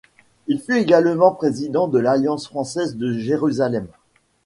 Il fut également président de l'Alliance française de Jérusalem.